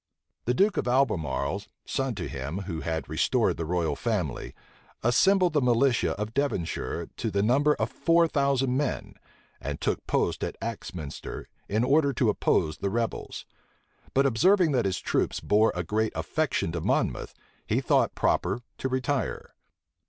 The duke of Albemarle, son to him who had restored the royal family, assembled the militia of Devonshire to the number of four thousand men, and took post at Axminster, in order to oppose the rebels; but observing that his troops bore a great affection to Monmouth, he thought proper to retire.